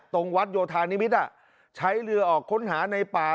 ตรงวัดโยธานิมิตรใช้เรือออกค้นหาในป่า